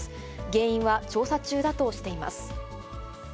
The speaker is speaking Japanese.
原因は調査中だとしています。